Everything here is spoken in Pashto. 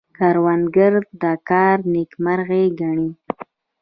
کروندګر د کار نیکمرغي ګڼي